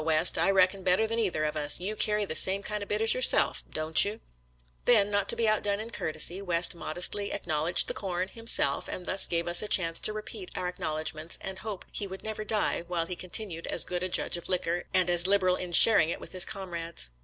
West, I reckon, better than either of us — ^you carry the same kind of bitters yourself, don't you? " REMINISCENCES OF CHICKAMAUGA 149 Then, not to be outdone in courtesy, West modestly " acknowledged the corn " himself, and thus gave us a chance to repeat our acknowledg ments and hope he would never die while he con tinued as good a judge of liquor, and as liberal in sharing it with his comrades.